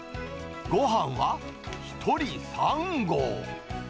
ごはんは１人３合。